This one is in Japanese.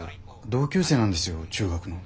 同級生なんですよ中学の。